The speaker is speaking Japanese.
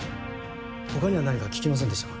他には何か聞きませんでしたか？